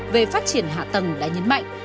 về phát triển hạ tầng đã nhấn mạnh